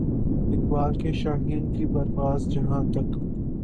اقبال کے شاھین کی پرواز جہاں تک